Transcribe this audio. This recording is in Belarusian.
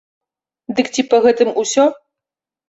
Дык ці па гэтым усё?